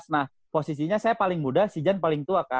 nah posisinya saya paling muda si jan paling tua kan